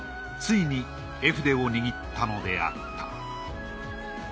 ついに絵筆を握ったのであった。